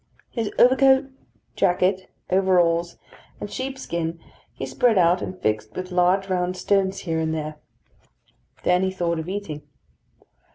His overcoat, jacket, overalls, and sheepskin he spread out and fixed with large round stones here and there. Then he thought of eating.